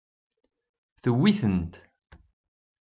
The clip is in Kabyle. Tewwi-tent.